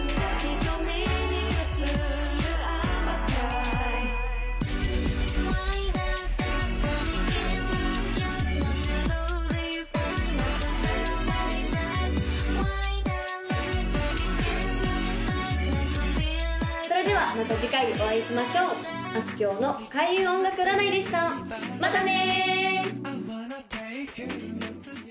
コピーライトそれではまた次回お会いしましょうあすきょうの開運音楽占いでしたまたね！